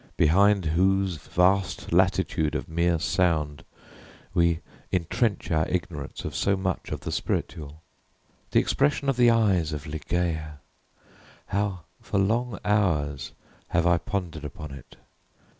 behind whose vast latitude of mere sound we intrench our ignorance of so much of the spiritual. The expression of the eyes of Ligeia! How for long hours have I pondered upon it!